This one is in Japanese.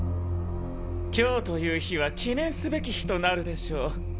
今日という日は記念すべき日となるでしょう。